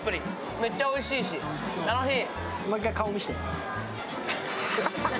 めっちゃおいしいし、楽しい。